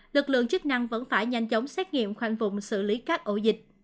lực lượng chức năng vẫn phải nhanh chóng xét nghiệm khoanh vùng xử lý các ổ dịch